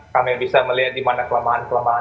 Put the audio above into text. kami bisa melihat di mana kelemahan kelemahan